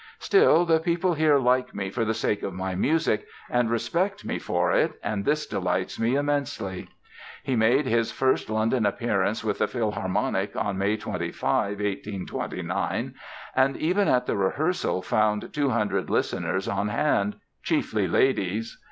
Still "the people here like me for the sake of my music and respect me for it and this delights me immensely". He made his first London appearance with the Philharmonic on May 25, 1829, and even at the rehearsal found two hundred listeners on hand, "chiefly ladies".